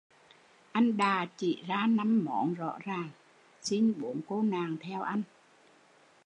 Anh đà chỉ ra năm món rõ ràng, xin bốn cô nàng theo anh